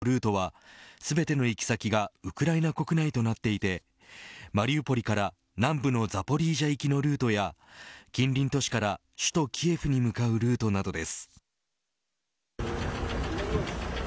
この１０のルートは全ての行き先がウクライナ国内となっていてマリウポリから南部のザポリージャ行きのルートや近隣都市から首都キエフに向かうルートなどです。